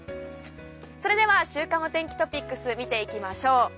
それでは週間お天気トピックス見ていきましょう。